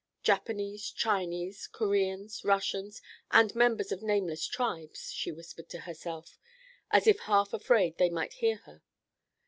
"Japanese, Chinese, Koreans, Russians, and members of nameless tribes," she whispered to herself, as if half afraid they might hear her.